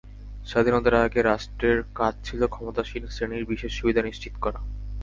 স্বাধীনতার আগে রাষ্ট্রের কাজ ছিল ক্ষমতাসীন শ্রেণির বিশেষ সুবিধা নিশ্চিত করা।